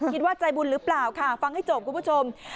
คิดว่าใจบุญหรือเปล่าค่ะฟังให้จบคุณผู้ชม